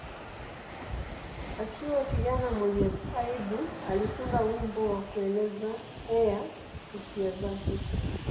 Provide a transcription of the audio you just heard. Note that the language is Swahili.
Akiwa kijana mwenye aibu, alitunga wimbo wa kuelezea hisia zake.